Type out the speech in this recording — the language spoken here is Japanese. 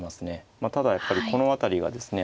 まあただやっぱりこの辺りがですね